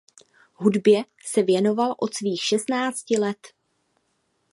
Hudbě se věnoval od svých šestnácti let.